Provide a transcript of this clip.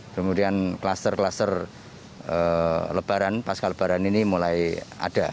kemudian klaster klaster lebaran pasca lebaran ini mulai ada